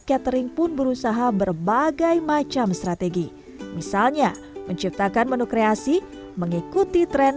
catering pun berusaha berbagai macam strategi misalnya menciptakan menu kreasi mengikuti tren